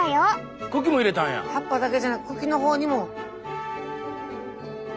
葉っぱだけじゃなく茎の方にも。